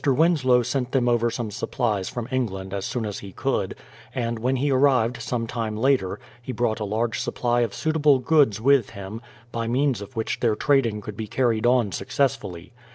Winslow sent them over some supplies from England as soon as he could, and when he arrived some time later he brought a large supply of suitable goods with him, by means of which their trading could be carried on successfully.